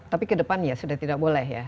tapi kedepannya sudah tidak boleh ya